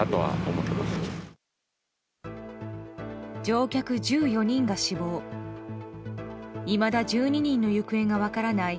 乗客１４人が死亡いまだ１２人の行方が分からない